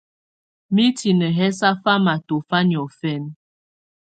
Mitini yɛ̀ sà famà tɔ̀fa niɔ̀fɛnɛ.